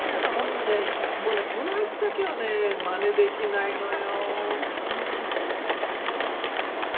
いやいやこの味だけはねまねできないのよ。